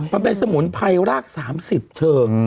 มันเป็นสมุนไพรราก๓๐เธอ